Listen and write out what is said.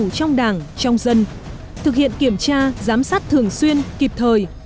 trong đảng trong dân thực hiện kiểm tra giám sát thường xuyên kịp thời